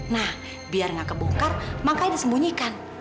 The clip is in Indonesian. nah biar gak kebongkar makanya disembunyikan